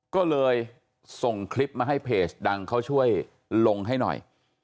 ก็เลยส่งคลิปมาให้เพจดังเขาช่วยลงให้หน่อย